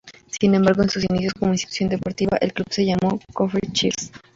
Sin embargo, en sus inicios como institución deportiva, el club se llamó Copper Chiefs.